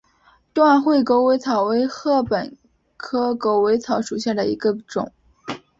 断穗狗尾草为禾本科狗尾草属下的一个种。